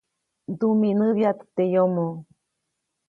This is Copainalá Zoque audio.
Ndumiʼnäbyaʼt teʼ yomoʼ.